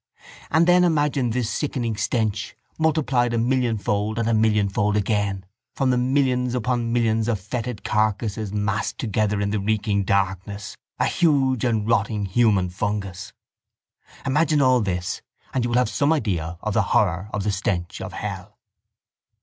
And then imagine this sickening stench, multiplied a millionfold and a millionfold again from the millions upon millions of fetid carcasses massed together in the reeking darkness, a huge and rotting human fungus. Imagine all this, and you will have some idea of the horror of the stench of hell.